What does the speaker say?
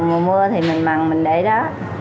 mùa mưa thì mình mặn mình để đó